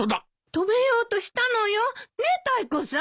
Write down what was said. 止めようとしたのよねえタイコさん。